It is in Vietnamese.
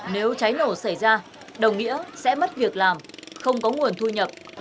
nếu cháy nổ xảy ra đồng nghĩa sẽ mất việc làm không có nguồn thu nhập